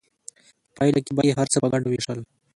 په پایله کې به یې هر څه په ګډه ویشل.